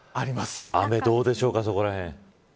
雨どうでしょうか、そこらへん。